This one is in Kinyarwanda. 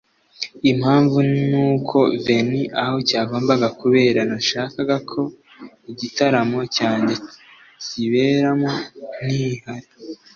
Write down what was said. “Impamvu ni uko Venue(aho cyagombaga kubera) nashakaga ko igitaramo cyanjye kiberamo ntihari